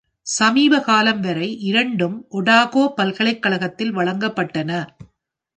சமீப காலம் வரை இரண்டும் ஒடாகோ பல்கலைக்கழகத்தில் வழங்கப்பட்டன.